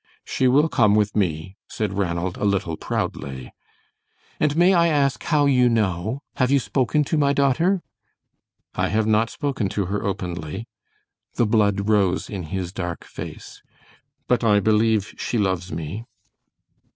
"She will come with me," said Ranald, a little proudly. "And may I ask how you know? Have you spoken to my daughter?" "I have not spoken to her openly." The blood rose in his dark face. "But I believe she loves me."